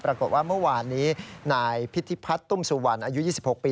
ปรากฏว่าเมื่อวานนี้นายพิธีพัฒน์ตุ้มสุวรรณอายุ๒๖ปี